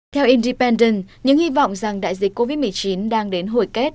theo independent những hy vọng rằng đại dịch covid một mươi chín đang đến hồi kết